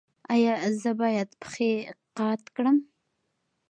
ایا زه باید پښې قات کړم؟